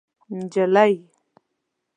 نجلۍ